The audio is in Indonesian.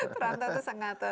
perantau itu sangat